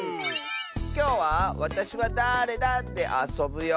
きょうは「わたしはだーれだ？」であそぶよ！